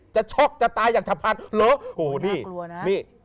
จะช็อกจะตายอย่างฉับพันธุ์เหรอ